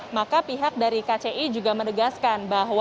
maka pihak dari kci juga menegaskan bahwa